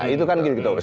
itu kan gitu